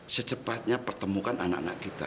secepatnya pertemukan anak anak kita